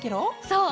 そう！